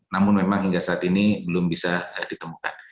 namun memang hingga saat ini belum bisa ditemukan